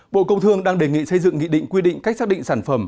bộ công thương đang đề nghị xây dựng nghị định quy định cách xác định sản phẩm